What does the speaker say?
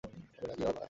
আমি রাজি, বাবা।